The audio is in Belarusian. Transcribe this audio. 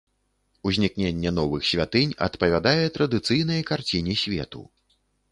Узнікненне новых святынь адпавядае традыцыйнай карціне свету.